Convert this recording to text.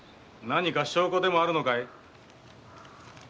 証拠でもあるのかい？